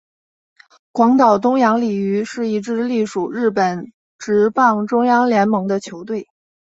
广岛东洋鲤鱼是一支隶属日本职棒中央联盟的球队。